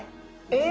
え